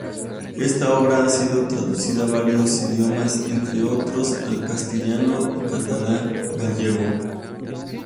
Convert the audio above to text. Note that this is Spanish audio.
Esta obra ha sido traducida varios idiomas entre otros al castellano y catalán, gallego...